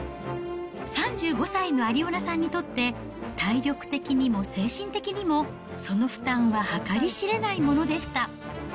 ３５歳のアリオナさんにとって、体力的にも精神的にも、その負担は計り知れないものでした。